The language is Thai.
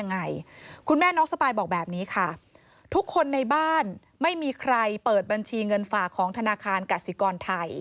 ยังไงคุณแม่น้องสปายบอกแบบนี้ค่ะทุกคนในบ้านไม่มีใครเปิดบัญชีเงินฝากของธนาคารกสิกรไทย